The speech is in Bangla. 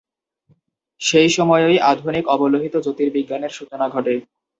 সেই সময়ই আধুনিক অবলোহিত জ্যোতির্বিজ্ঞানের সূচনা ঘটে।